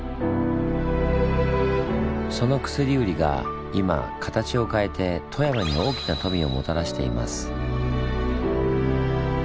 その薬売りが今形を変えて富山に大きな富をもたらしています。